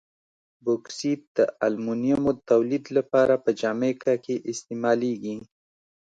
بوکسیت د المونیمو تولید لپاره په جامیکا کې استعمالیږي.